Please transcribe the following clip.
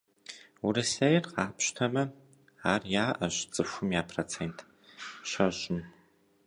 Урысейр къапщтэмэ, ар яӏэщ цӏыхум я процент щэщӏым.